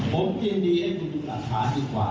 ผมกินดีให้คุณดูหลักค้าดีกว่า